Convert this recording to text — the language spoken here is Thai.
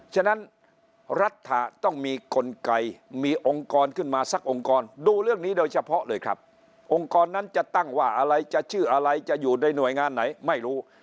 ฉะนั้นรัฐต้องมีกลไกมีองค์กรขึ้นมาสักองค์กรดูเรื่องนี้โดยเฉพาะเลยครับองค์กรนั้นจะตั้งว่าอะไรจะชื่ออะไรจะอยู่ในหน่วยงานไหนไม่รู้